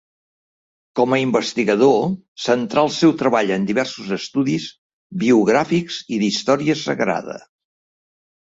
Com a investigador, centrà el seu treball en diversos estudis biogràfics i d’història sagrada.